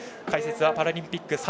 解説はパラリンピック